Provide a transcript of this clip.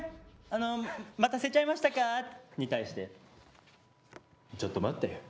あの待たせちゃいましたか？」に対して「ちょっとまったよ」。